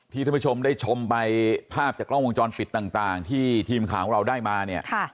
ท่านผู้ชมได้ชมไปภาพจากกล้องวงจรปิดต่างที่ทีมข่าวของเราได้มาเนี่ย